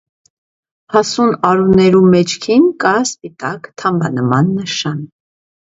Հասուն արուներու մէջքին կայ սպիտակ թամբանման նշան։